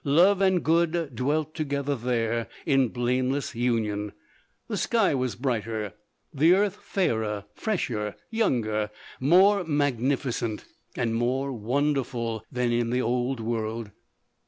Love and good dwelt together there in blameless union ; the sky was brighter, the earth fairer, fresher, younger, more magnificent, LODORK. 281 and more wonderful, than in the old world.